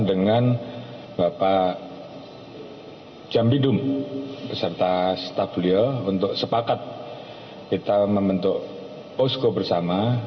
dengan bapak jambidum beserta staf beliau untuk sepakat kita membentuk posko bersama